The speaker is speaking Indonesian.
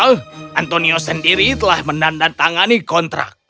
antonio sendiri telah menandatangani kontrak